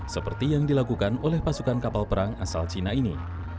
seperti yang dilakukan oleh pasukan kapal perang asal cina ini